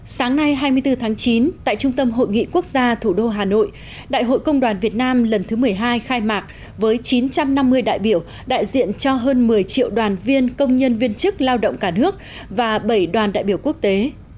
sáng nay hai mươi bốn tháng chín tại trung tâm hội nghị quốc gia thủ đô hà nội đại hội công đoàn việt nam lần thứ một mươi hai khai mạc với chín trăm năm mươi đại biểu đại diện cho hơn một mươi triệu đoàn viên công nhân viên chức lao động cả nước và bảy đoàn đại biểu quốc tế